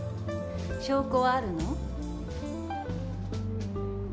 証拠はあるの？